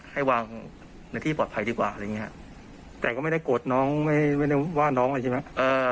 ให้วางในที่ปลอดภัยดีกว่าอะไรอย่างเงี้ยแต่ก็ไม่ได้โกรธน้องไม่ได้ว่าน้องอะไรใช่ไหม